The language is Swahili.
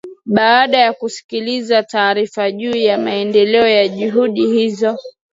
baada ya kusikiliza taarifa juu ya maendeleo ya juhudi hizo